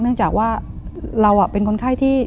เนื่องจากว่าเราเป็นคนไข้ที่